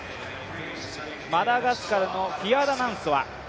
マダガスカルのフィアダナンソア。